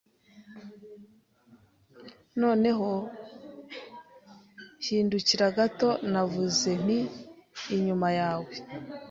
Noneho hindukira gato navuze nti inyuma yawe